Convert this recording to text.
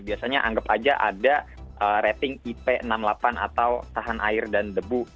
biasanya anggap aja ada rating ip enam puluh delapan atau tahan air dan debu